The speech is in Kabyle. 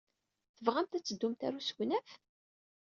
Tebɣamt ad teddumt ɣer usegnaf?